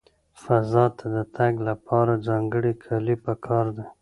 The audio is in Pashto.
فضا ته د تګ لپاره ځانګړي کالي پکار دي.